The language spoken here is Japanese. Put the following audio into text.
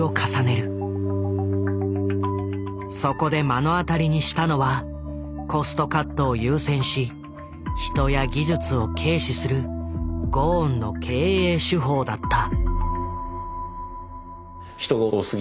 そこで目の当たりにしたのはコストカットを優先し人や技術を軽視するゴーンの経営手法だった。